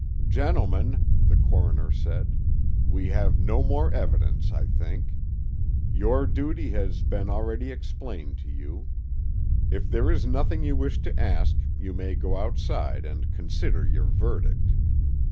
"Gentlemen," the coroner said, "we have no more evidence, I think. Your duty has been already explained to you; if there is nothing you wish to ask you may go outside and consider your verdict."